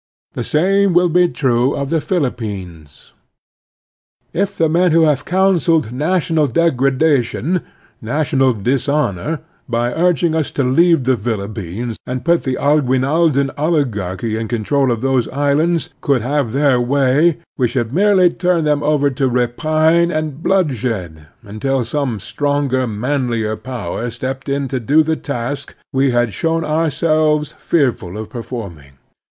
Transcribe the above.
The same will be true of the Philippines. If the men who have coimseled national degradation, national dishonor, by urging us to leave ttie Philip pines and put the Aguinaldan oligarchy in control of those islands, could have their way, we should merely turn them over to rapine and bloodshed until some stronger, manlier power stepped in to do the task we had shown ourselves fearful of performing.